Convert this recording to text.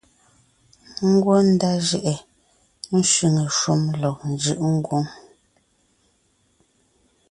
Ngwɔ́ ndá jʉʼɛ sẅiŋe shúm lɔg njʉʼ ngwóŋ;